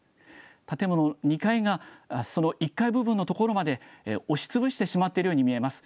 建物の２階が、その１階部分の所まで押しつぶしてしまっているように見えます。